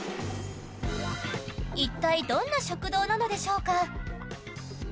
一体どんな食堂なのでしょうか。